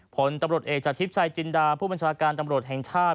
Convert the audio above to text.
ผลตำรวจเอกจากทริปชายจินดาผู้บัญชาการตำรวจแห่งชาติ